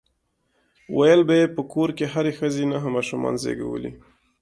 ويل به يې په کور کې هرې ښځې نهه ماشومان زيږولي.